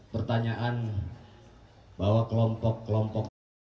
pertanyaan bahwa kelompok kelompok